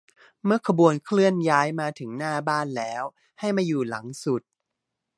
เมื่อขบวนเคลื่อนย้ายมาถึงหน้าบ้านแล้วให้มาอยู่หลังสุด